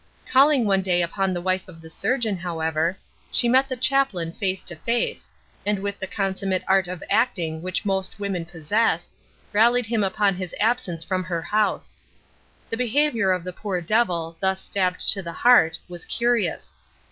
Calling one day upon the wife of the surgeon, however, she met the chaplain face to face, and with the consummate art of acting which most women possess, rallied him upon his absence from her house. The behaviour of the poor devil, thus stabbed to the heart, was curious.